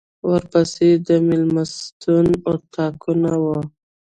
ورپسې د مېلمستون اطاقونه و.